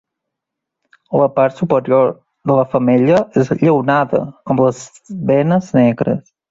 La part superior de la femella és lleonada, amb les venes negres.